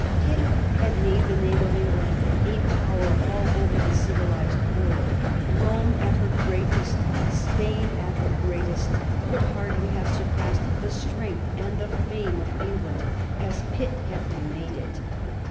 Pitt had made the name of England a power all over the civilized world. Rome at her greatest, Spain at her greatest, could hardly have surpassed the strength and the fame of England as Pitt had re made it.